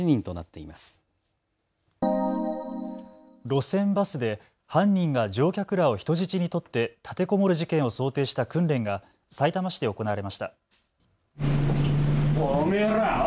路線バスで犯人が乗客らを人質に取って立てこもる事件を想定した訓練がさいたま市で行われました。